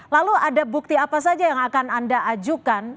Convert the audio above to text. lalu ada bukti apa saja yang akan anda ajukan